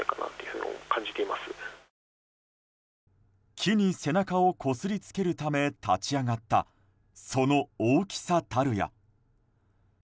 木に背中をこすりつけるため立ち上がったその大きさたるや。